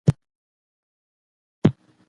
فارابي د فاضله ښار نظریه وړاندې کړه.